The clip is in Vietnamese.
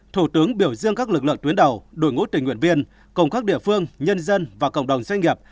thủ tướng biểu dương các lực lượng tuyến đầu đội ngũ tình nguyện viên cùng các địa phương nhân dân và cộng đồng doanh nghiệp